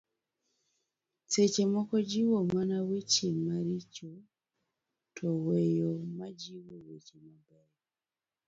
seche moko jiwo mana weche maricho to weyo majiwo weche mabeyo